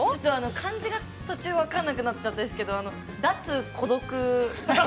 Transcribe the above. ◆漢字が途中分からなくなっちゃったですけれども、「脱こ独」。